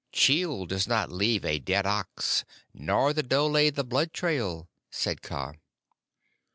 "Chil does not leave a dead ox, nor the dhole the blood trail," said Kaa.